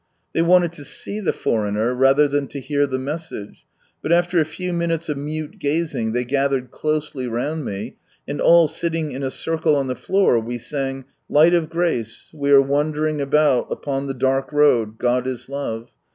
They wanted to see the foreigner rather than to hear the message, but after a few minutes of mute gazing, they gathered closely round me, and all sitting in a circle on the floor we sang :—" ZifiS/ of Grace ! vit are waiuleriiig afieul upon the dark road: Ged is Love.